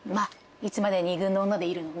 「いつまで２軍の女でいるの？」